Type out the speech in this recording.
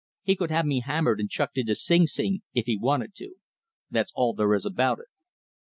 He could have me hammered and chucked into Sing Sing, if he wanted to. That's all there is about it."